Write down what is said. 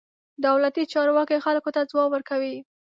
دولتي چارواکي خلکو ته ځواب ورکوي.